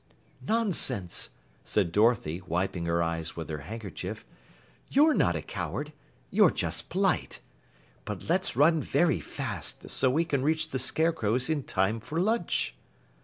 "Nonsense!" said Dorothy, wiping her eyes with her handkerchief. "You're not a coward, you're just polite. But let's run very fast so we can reach the Scarecrow's in time for lunch."